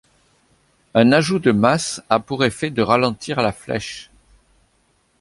Un ajout de masse à pour effet de ralentir la flèche.